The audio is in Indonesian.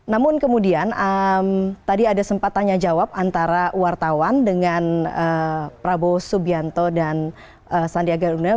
namun kemudian tadi ada sempat tanya jawab antara wartawan dengan prabowo subianto dan sandiaga uno